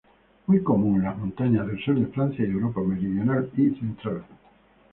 Muy común en las montañas del sur de Francia y Europa meridional y central.